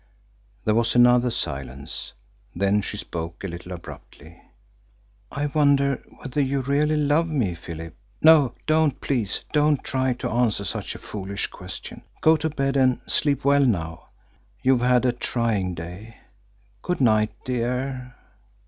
There was another silence. Then she spoke a little abruptly. "I wonder whether you really love me, Philip.... No! don't, please don't try to answer such a foolish question. Go to bed and sleep well now. You've had a trying day. Good night, dear!"